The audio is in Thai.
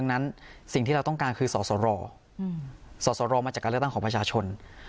ดังนั้นสิ่งที่เราต้องการคือสสรสอสรมาจากการเลือกตั้งของประชาชน